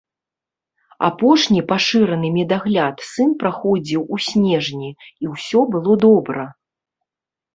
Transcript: Апошні пашыраны медагляд сын праходзіў у снежні, і ўсё было добра.